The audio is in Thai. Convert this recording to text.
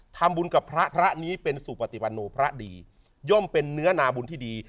ทำบุญกับพระพระนี้เป็นสุปติวันโนพระดีย่อมเป็นเนื้อนาบุญที่ดี